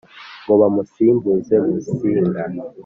ngo bamusimbuze Musinga